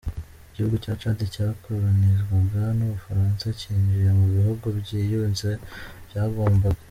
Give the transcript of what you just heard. Igihugu cya Chad cyakoronizwaga n’u Bufaransa cyinjiye mu bihugu byiyunze byagombaga.